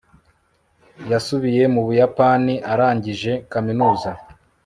yasubiye mu buyapani arangije kaminuza